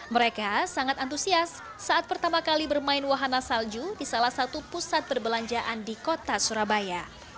mereka sangat antusias saat pertama kali bermain wahana salju di salah satu pusat perbelanjaan di kota surabaya